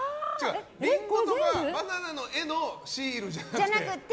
リンゴとかバナナの絵のシールじゃなくて。